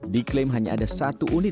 diklaim hanya ada satu unit